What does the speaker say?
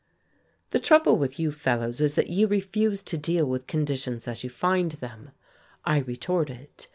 "The trouble with you fellows is that you refuse to deal with conditions as you find them," I retorted.